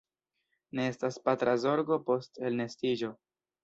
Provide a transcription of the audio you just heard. Ne estas patra zorgo post elnestiĝo.